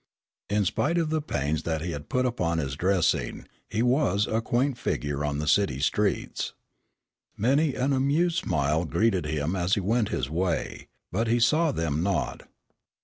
In spite of the pains that he had put upon his dressing, he was a quaint figure on the city streets. Many an amused smile greeted him as he went his way, but he saw them not.